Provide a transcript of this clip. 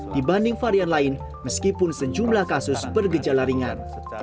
dibanding varian lain meskipun sejumlah kasus bergejala ringan